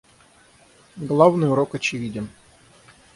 Главный урок очевиден.